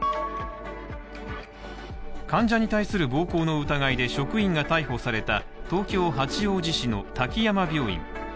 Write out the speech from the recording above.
患者に対する暴行の疑いで職員が逮捕された東京・八王子市の滝山病院。